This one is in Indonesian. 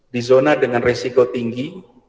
di zona dengan resiko tinggi